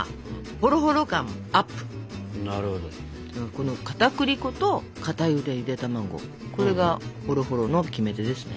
このかたくり粉と固ゆでゆで卵これがホロホロのキメテですね。